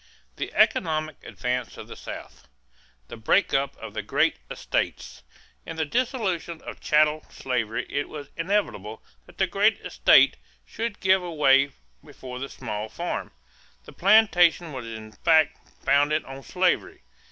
THE ECONOMIC ADVANCE OF THE SOUTH =The Break up of the Great Estates.= In the dissolution of chattel slavery it was inevitable that the great estate should give way before the small farm. The plantation was in fact founded on slavery.